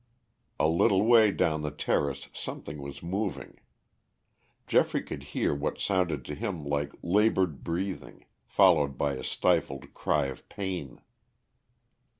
A little way down the terrace something was moving. Geoffrey could hear what sounded to him like labored breathing, followed by a stifled cry of pain.